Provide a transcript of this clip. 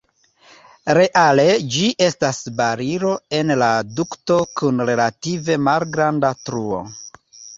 Reale ĝi estas barilo en la dukto kun relative malgranda truo.